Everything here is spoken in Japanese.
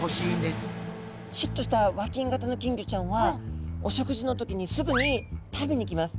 シュッとした和金型の金魚ちゃんはお食事の時にすぐに食べにきます。